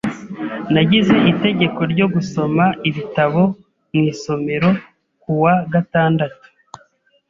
Nagize itegeko ryo gusoma ibitabo mu isomero kuwa gatandatu.